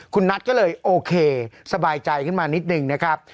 คุณนัทก็เลยโอเคสบายใจขึ้นมานิดนึงนะครับ